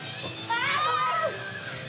ああ！